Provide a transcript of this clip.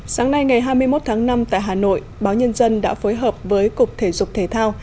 sáng nay ngày hai mươi một tháng năm tại hà nội báo nhân dân đã phối hợp với cục thể dục thể thao